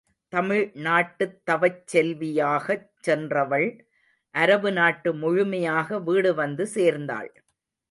தமிழ் நாட்டுத் தவச் செல்வியாகச் சென்றவள் அரபு நாட்டு முழுமையாக வீடு வந்து சேர்ந்தாள்.